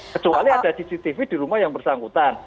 kecuali ada cctv di rumah yang bersangkutan